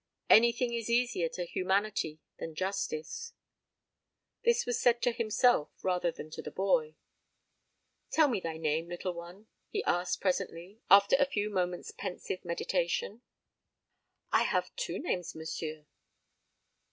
Anything is easier to humanity than justice." This was said to himself rather than to the boy. "Tell me thy name, little one," he asked presently, after a few moments' pensive meditation. "I have two names, monsieur."